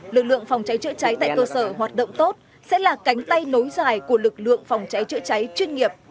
lực lượng phòng cháy chữa cháy tại cơ sở hoạt động tốt sẽ là cánh tay nối dài của lực lượng phòng cháy chữa cháy chuyên nghiệp